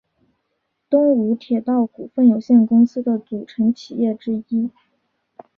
东武铁道股份有限公司的组成企业之一。